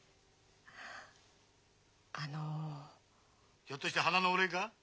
☎ひょっとして花のお礼か？